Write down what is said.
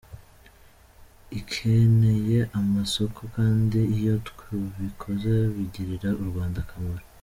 Ikeneye amasoko kandi iyo tubikoze bigirira U Rwanda akamaro.